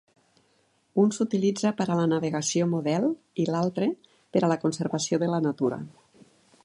Un s'utilitza per a la navegació model i l'altre per a la conservació de la natura.